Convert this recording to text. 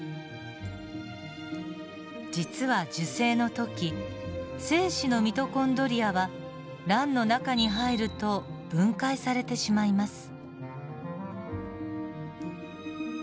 実は受精の時精子のミトコンドリアは卵の中に入ると分解されてしまいます。